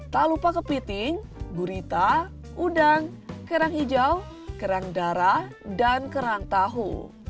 tak lupa kepiting gurita udang kerang hijau kerang darah dan kerang tahu